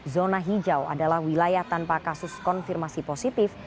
zona hijau adalah wilayah tanpa kasus konfirmasi positif